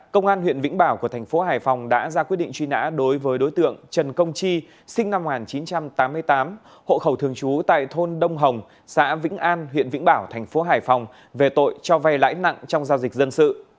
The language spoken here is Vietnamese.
công an huyện vĩnh bảo của thành phố hải phòng đã ra quyết định truy nã đối với đối tượng trần công chi sinh năm một nghìn chín trăm tám mươi tám hộ khẩu thường trú tại thôn đông hồng xã vĩnh an huyện vĩnh bảo thành phố hải phòng về tội cho vay lãi nặng trong giao dịch dân sự